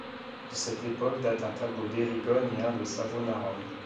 De cette époque date un tableau d'Erigone et un de Savonarole.